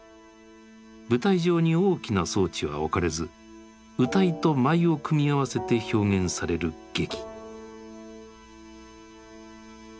舞台上に大きな装置は置かれず謡と舞を組み合わせて表現される劇。